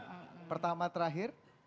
oke pertama terakhir